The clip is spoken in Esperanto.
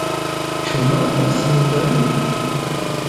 Ĉu mankas Hungario?